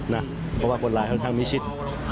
เพราะว่าคนร้ายค่อนข้างมิชิต